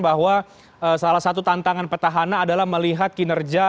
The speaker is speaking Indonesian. bahwa salah satu tantangan petahana adalah melihat kinerja